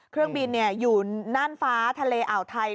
เครื่องบินอยู่น่านฟ้าทะเลอ่าวไทย